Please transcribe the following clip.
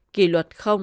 kỷ luật